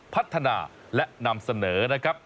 พัฒนาและนำเสนอนะครับ